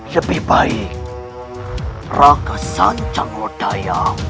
lebih baik raka sanjangodaya